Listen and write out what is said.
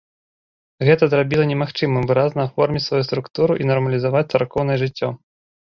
Гэта зрабіла немагчымым выразна аформіць сваю структуру і нармалізаваць царкоўнае жыццё.